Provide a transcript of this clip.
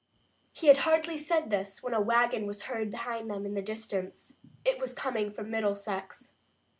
He had hardly said this, when a wagon was heard behind them in the distance. It was coming from Middlesex.